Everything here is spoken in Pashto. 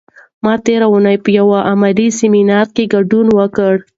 ما تېره اونۍ په یوه علمي سیمینار کې ګډون وکړ.